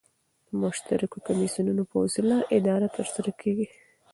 د مشترکو کمېسیونو په وسیله اداره ترسره کيږي.